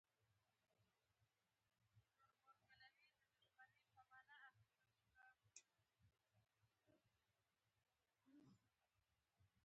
د بنګ پاڼې د بې حسی لپاره وکاروئ